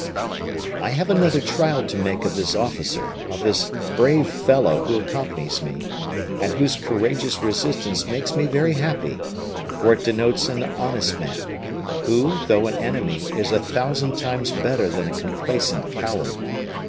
"I have another trial to make of this officer, of this brave fellow who accompanies me, and whose courageous resistance makes me very happy; for it denotes an honest man, who, though an enemy, is a thousand times better than a complaisant coward.